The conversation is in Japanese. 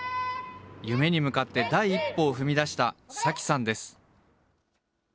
夢に向かって第一歩を踏み出した紗季さんです。